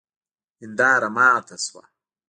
هنداره ماته سوه